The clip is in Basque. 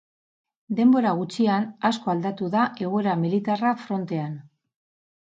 Denbora gutxian asko aldatu da egoera militarra frontean.